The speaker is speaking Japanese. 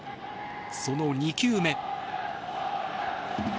その２球目。